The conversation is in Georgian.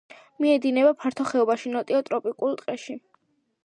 მიედინება ფართო ხეობაში, ნოტიო ტროპიკულ ტყეში.